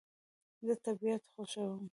زه طبیعت خوښوم